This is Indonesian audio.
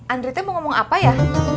andri teh mau ngomong apa ya